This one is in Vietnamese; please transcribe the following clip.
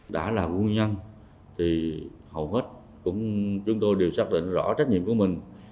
đã là nguyên nhân thì hầu hết chúng tôi đều xác định rõ trách nhiệm của mình